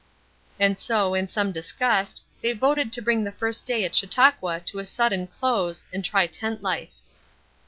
And so, in some disgust, they voted to bring the first day at Chautauqua to a sudden close and try tent life.